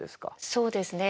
そうですね。